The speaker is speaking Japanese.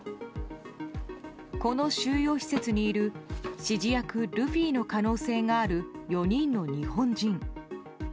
この収容施設にいる指示役ルフィの可能性がある４人の日本人。